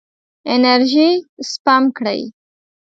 انرژي سپم کړئ.